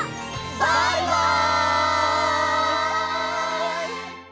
バイバイ！